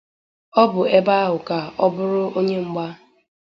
Ọ bụ ebe ahụ ka ọ buru onye mgba.